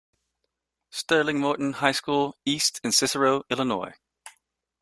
Sterling Morton High School East in Cicero, Illinois.